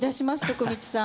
徳光さん。